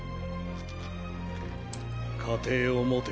家庭を持て。